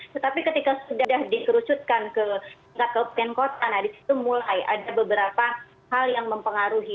tetapi ketika sudah dikerucutkan ke tingkat kabupaten kota nah disitu mulai ada beberapa hal yang mempengaruhi